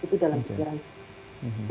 itu dalam sejarah saya